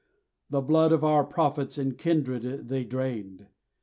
The blood of our prophets and kindred they drained!